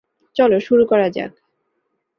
চলো, শুরু করা যাক।